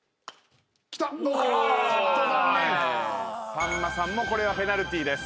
さんまさんもこれはペナルティーです。